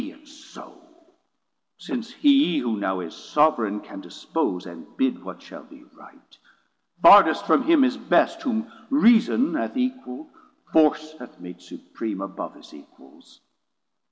Be it so, since hee Who now is Sovran can dispose and bid What shall be right: fardest from him is best Whom reason hath equald, force hath made supream Above his equals.